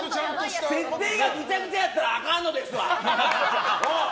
設定がぐちゃぐちゃやったらあかんのですわ。